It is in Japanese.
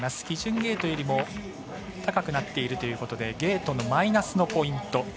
基準ゲートよりも高くなっているということでゲートのマイナスのポイント。